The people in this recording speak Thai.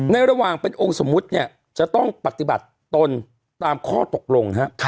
ระหว่างเป็นองค์สมมุติเนี่ยจะต้องปฏิบัติตนตามข้อตกลง